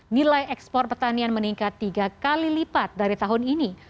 nilai ekspor pertanian meningkat tiga kali lipat dari tahun ini